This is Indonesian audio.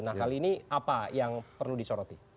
nah kali ini apa yang perlu disoroti